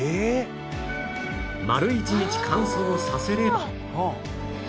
丸一日乾燥させれば